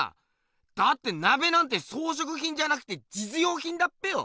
だって鍋なんて装飾品じゃなくて実用品だっぺよ？